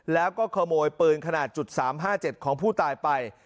แล้วก็ขโมยปืนขนาด๓๕๗ของผู้ตายไป